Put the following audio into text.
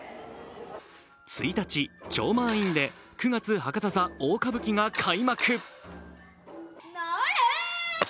１日、超満員で「九月博多大歌舞伎」が開幕。